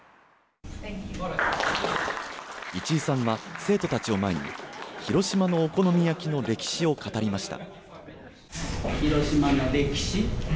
市居さんは生徒たちを前に広島のお好み焼きの歴史を語りました。